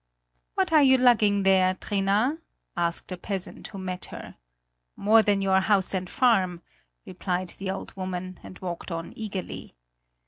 "What are you lugging there, Trina?" asked a peasant who met her. "More than your house and farm," replied the old woman, and walked on eagerly.